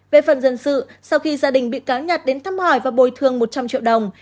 về phần dân sự sau khi gia đình bị cáo nhặt đến thăm hỏi và bồi thường một trăm linh triệu đồng